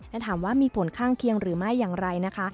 และถามว่ามีผลข้างเคียงหรือไม่อย่างไรนะคะ